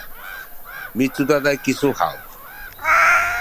micudaday kisu haw?